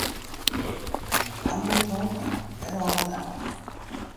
In bankoerfal bart net alle dagen.